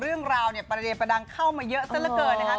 รื่องราวนี้ประเด็นผลัทำเข้ามาเยอะซักแบบเกิดเลย